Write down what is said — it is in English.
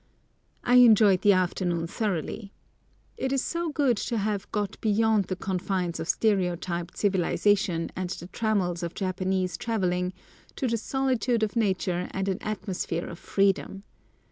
I enjoyed the afternoon thoroughly. It is so good to have got beyond the confines of stereotyped civilisation and the trammels of Japanese travelling to the solitude of nature and an atmosphere of freedom.